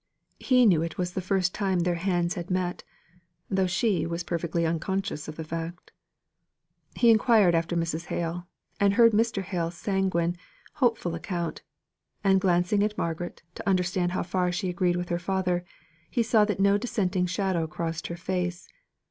He knew it was the first time their hands had met, though she was perfectly unconscious of the fact. He inquired after Mrs. Hale, and heard Mr. Hale's sanguine, hopeful account; and, glancing to Margaret, to understand how far she agreed with her father, he saw that no dissenting shadow crossed her face.